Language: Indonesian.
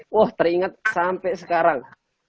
wah teringat sampai sekarang